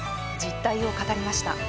実態を語りました。